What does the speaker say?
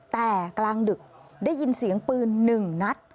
แต่กลางดึกได้ยินเสียงปืน๑นัด